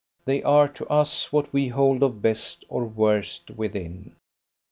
They are to us what we hold of best or worst within.